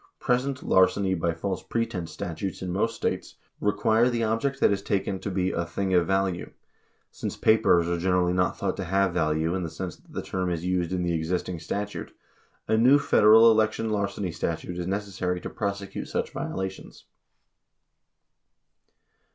Present "larceny by false pretense" statutes in most States require the object that is taken to be "a thing of value." Since papers are generally not thought to have value in the sense that the term is used in the existing statute, a new Federal election larceny statute is necessary to prosecute such violations.